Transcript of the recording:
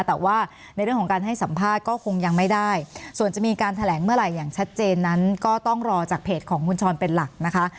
แต่ว่าในเรื่องของการให้สัมภาษณ์ก็คงยังไม่ได้ส่วนจะมีการแถลงเมื่อไหร่อย่างชัดเจนนั้นก็ต้องรอจากเพจของคุณชรเป็นหลักนะคะ